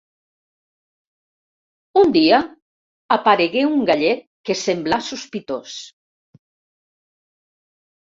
Un dia aparegué un gallec que semblà sospitós.